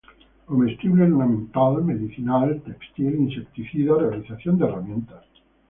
Comestible, ornamental, medicinal, textil, insecticida, realización de herramientas.